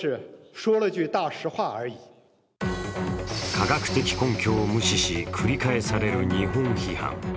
科学的根拠を無視し、繰り返される日本批判。